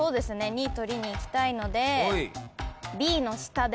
２取りに行きたいのでＢの下で。